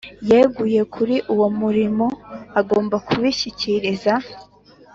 Yeguye kuri uwo murimo agomba kubishyikiriza